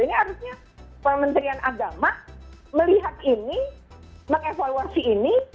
ini harusnya kementerian agama melihat ini mengevaluasi ini